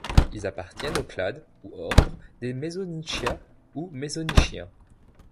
Ils appartiennent au clade ou ordre des Mesonychia ou mésonychiens.